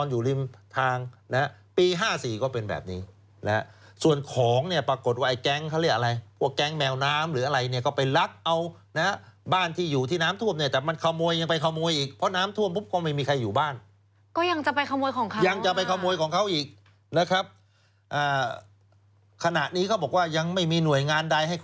อยู่ริมทางนะฮะปี๕๔ก็เป็นแบบนี้นะฮะส่วนของเนี่ยปรากฏว่าไอ้แก๊งเขาเรียกอะไรพวกแก๊งแมวน้ำหรืออะไรเนี่ยก็ไปลักเอานะบ้านที่อยู่ที่น้ำท่วมเนี่ยแต่มันขโมยยังไปขโมยอีกเพราะน้ำท่วมปุ๊บก็ไม่มีใครอยู่บ้านก็ยังจะไปขโมยของเขายังจะไปขโมยของเขาอีกนะครับขณะนี้เขาบอกว่ายังไม่มีหน่วยงานใดให้